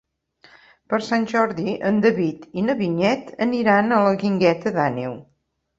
Per Sant Jordi en David i na Vinyet aniran a la Guingueta d'Àneu.